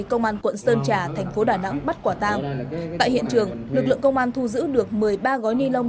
công an quận sơn trà tp đà nẵng bắt quả tam tại hiện trường lực lượng công an thu giữ được một mươi ba gói ni lông